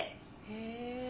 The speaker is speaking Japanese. へえ。